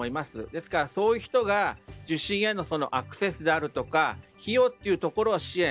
ですから、そういう人が受診へのアクセスであるとか費用っていうところは支援。